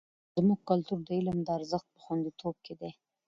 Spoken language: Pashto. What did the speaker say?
زموږ کلتور د علم د ارزښت په خوندیتوب کې دی.